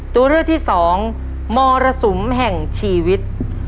ตัวเลือกที่สองมรสุมแห่งชีวิต